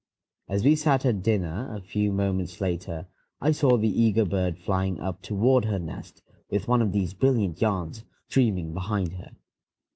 As we sat at dinner a few moments later, I saw the eager bird flying up toward her nest with one of these brilliant yarns streaming behind her.